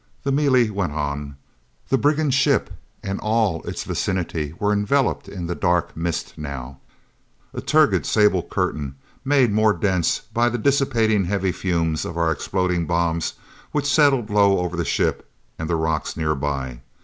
The melee went on. The brigand ship and all its vicinity were enveloped in dark mist now a turgid sable curtain, made more dense by the dissipating heavy fumes of our exploding bombs which settled low over the ship and the rocks nearby.